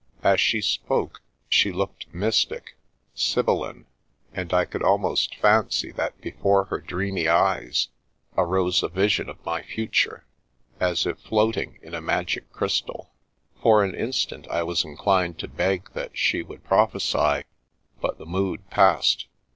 As she spoke, she looked mystic, sibylline, and I could almost fancy that before her dreamy eyes arose a vision of my future as if floating in a magic crystal. For an instant I was inclined to beg that she would prophesy, but the mood passed.